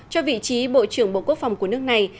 cho vị trí bộ trưởng bộ quốc phòng của nước này